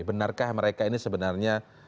benarkah mereka ini sebenarnya